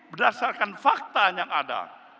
berdasarkan fakta yang ada